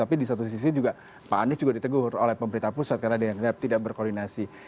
tapi di satu sisi juga pak anies juga ditegur oleh pemerintah pusat karena dianggap tidak berkoordinasi